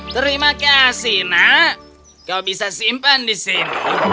terima kasih nak kau bisa simpan di sini